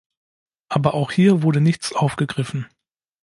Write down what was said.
Aber auch hier wurde nichts aufgegriffen.